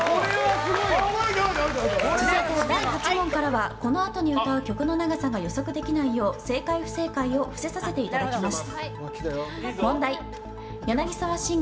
第８問からはこのあとに歌う曲の長さを予測できないよう正解、不正解を伏せさせていただきます。